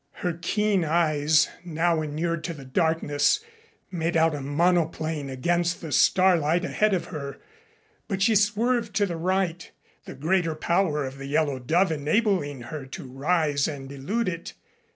Her keen eyes, now inured to the darkness, made out a monoplane against the starlight ahead of her but she swerved to the right, the greater power of the Yellow Dove enabling her to rise and elude it.